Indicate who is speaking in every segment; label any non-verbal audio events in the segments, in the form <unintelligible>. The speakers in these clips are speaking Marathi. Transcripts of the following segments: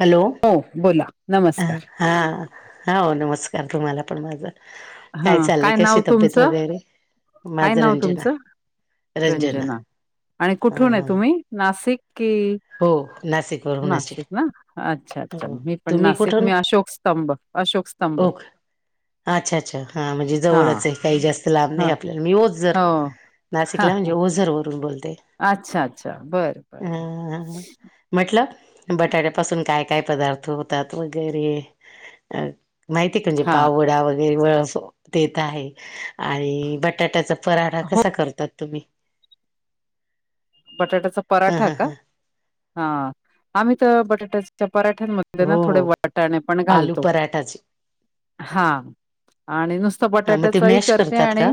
Speaker 1: हॅलो
Speaker 2: हो बोला नमस्कार
Speaker 1: हा हो नमस्कार तुम्हाला पण माझं
Speaker 2: हा
Speaker 1: चाललंय
Speaker 2: काय
Speaker 1: कशी
Speaker 2: नाव
Speaker 1: तब्येत
Speaker 2: तुमचं
Speaker 1: वगैरे
Speaker 2: काय
Speaker 1: माझं
Speaker 2: नाव
Speaker 1: रंजना
Speaker 2: तुमचं रंजना आणि
Speaker 1: हा
Speaker 2: कुठून आहे
Speaker 1: हा
Speaker 2: तुम्ही नाशिक कि
Speaker 1: हो नाशिक वरूनचे
Speaker 2: नाशिक ना अच्छा अच्छा
Speaker 1: हो
Speaker 2: मी पण
Speaker 1: तुम्ही
Speaker 2: नाशिक
Speaker 1: कुठून
Speaker 2: मी अशोक स्तंभ अशोक स्तंभ
Speaker 1: ओक अच्छा अच्छा हा म्हणजे
Speaker 2: हा
Speaker 1: जवळच आहे काही जास्त लांब
Speaker 2: हा
Speaker 1: नाही आपल्याला मी होत जर
Speaker 2: हो हा
Speaker 1: नाशिकला म्हणजे ओझर वरून बोलते
Speaker 2: अच्छा अच्छा बर
Speaker 1: अ
Speaker 2: बर
Speaker 1: म्हटलं बटाट्यापासून काय काय पदार्थ होतात वगैरे अ माहितीय म्हणजे
Speaker 2: हा
Speaker 1: पाव वडा वगैरे वडा देत आहे आणि बटाट्याचा पराढा
Speaker 2: हो
Speaker 1: कसा करतात तुम्ही <unintelligible>
Speaker 2: बटाट्याचा
Speaker 1: ह
Speaker 2: पराठा
Speaker 1: ह
Speaker 2: का
Speaker 1: ह
Speaker 2: हा आम्ही तर बटाट्याच्या पराठ्यांमध्ये
Speaker 1: हो
Speaker 2: ना थोडे
Speaker 1: हो
Speaker 2: वाटाणे पण
Speaker 1: आलू
Speaker 2: घालतो
Speaker 1: पराठाचे
Speaker 2: हा आणि नुसत
Speaker 1: ह मग ते
Speaker 2: बटाट्याचही
Speaker 1: मॅश
Speaker 2: करते
Speaker 1: करतात
Speaker 2: आणि
Speaker 1: का?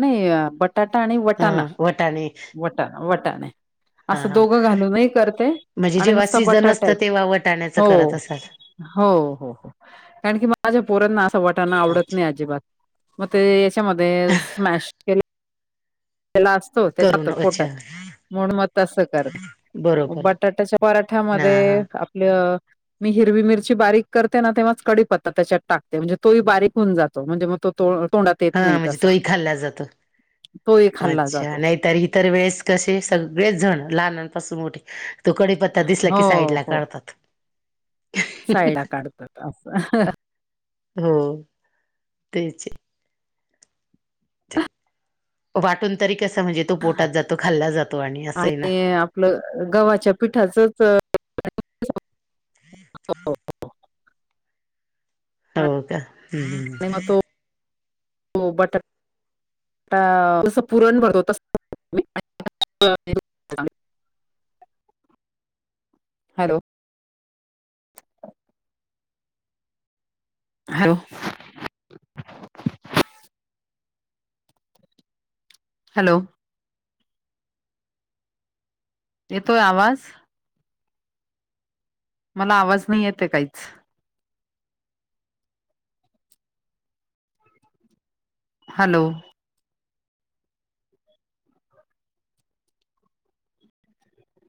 Speaker 2: नाही बटाटा आणि वटाणा
Speaker 1: त्या आणि
Speaker 2: वटाणा वटाने असं दोघं घालूनही करते
Speaker 1: म्हणजे
Speaker 2: आणि
Speaker 1: जेव्हा
Speaker 2: नुसत
Speaker 1: सीझन
Speaker 2: बटाट्या
Speaker 1: असतं तेव्हा वटाण्याचं
Speaker 2: हो,
Speaker 1: करत असाल.
Speaker 2: हो हो हो कारण की माझ्या पोरांना असं वाटना आवडत
Speaker 1: अच्छा
Speaker 2: नाही अजिबात मग ते याच्यामध्ये स्मॅश केले त्याला असतो
Speaker 1: करून
Speaker 2: त्याच्या
Speaker 1: अच्छा
Speaker 2: पोटात म्हण मग तसं करणे
Speaker 1: बरोबर
Speaker 2: बटाट्याच्या
Speaker 1: हा हा
Speaker 2: पराठ्यामध्ये आपल्या मी हिरवी मिरची बारीक करते ना तेव्हाच कडी पत्ता त्याच्यात टाकते म्हणजे तोही बारीक होऊन जातो म्हे मग तो तोड
Speaker 1: हा म्हणजे तोही खाल्ला जातो
Speaker 2: तोही खाल्ला
Speaker 1: अच्छा
Speaker 2: जातो
Speaker 1: नाहीतर इ तरर वेळेस तसे सगळे जण लहनांपासून मोठे तो कडीपत्ता दिसला
Speaker 2: हो
Speaker 1: की साईडला काढतात
Speaker 2: साईड काढतात असं
Speaker 1: हो तेच वाटून तरी कस म्हणजे तो पोटात जातो खाल्ला जातो आणि असं आहे ना
Speaker 2: आपलं गव्हाच्या पिठाचच
Speaker 1: हा
Speaker 2: हो आणि
Speaker 1: हो का हम् ह्
Speaker 2: बटर जस पुरण भरत तस हॅलो ह हॅलो येतोय आवाज मला आवाज नाही येते काहीच हॅलो